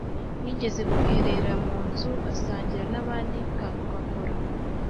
yigeze kwiherera mu nzu asangira n'abandi ka "coca cola"